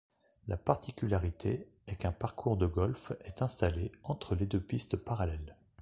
La particularité est qu'un parcours de golf est installé entre les deux pistes parallèles.